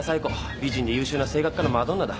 美人で優秀な声楽科のマドンナだ。